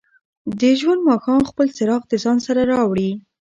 د ژوند ماښام خپل څراغ د ځان سره راوړي.